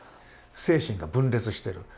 精神が分裂してる。